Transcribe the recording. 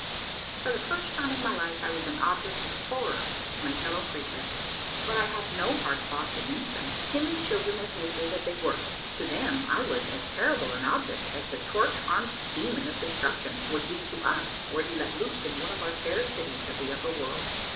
For the first time in my life I was an object of horror to my fellow creatures, but I had no hard thoughts against them! Timid children of nature that they were, to them I was as ter rible an object as the torch armed demon of destruction would be to us were he let loose in one of our fair cities of the upper world.